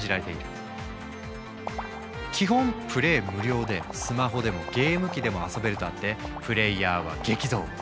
無料でスマホでもゲーム機でも遊べるとあってプレイヤーは激増。